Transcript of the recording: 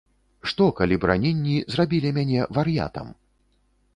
Што, калі б раненні зрабілі мяне вар'ятам?